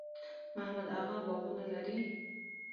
محمد اغه باغونه لري؟